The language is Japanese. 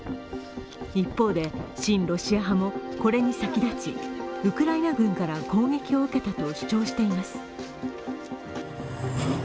一方で、親ロシア派もこれに先立ちウクライナ軍から攻撃を受けたと主張しています。